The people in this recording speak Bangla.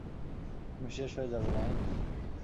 তুমি শেষ হয়ে যাবে, মাইক।